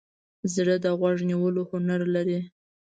زړه د غوږ نیولو هنر لري.